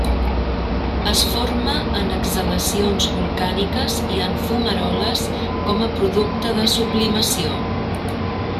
Es forma en exhalacions volcàniques i en fumaroles com a producte de sublimació.